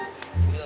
enggak pak ya